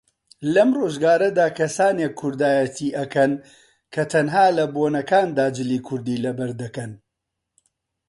لەم ڕۆژگارەدا کەسانێک کوردایەتی ئەکەن کە تەنها لە بۆنەکاندا جلی کوردی لەبەردەکەن